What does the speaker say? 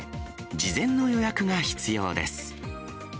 事前の予約が必要です。